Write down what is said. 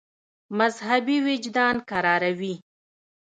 مذهبي وجدان کراروي.